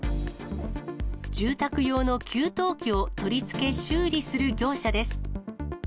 住宅用の給湯器を取り付け修理する業者です。